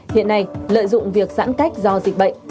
hiện nay lợi dụng việc giãn cách do dịch bệnh